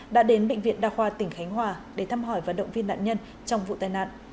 đã đến bệnh viện đa khoa tỉnh khánh hòa để thăm hỏi và động viên nạn nhân trong vụ tai nạn